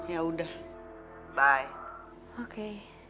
ya udah bye oke